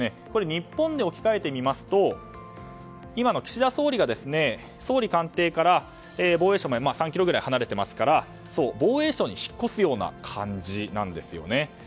日本で置き換えてみますと今の岸田総理が総理官邸から防衛省まで３ｋｍぐらい離れていますから防衛省に引っ越すような感じなんですね。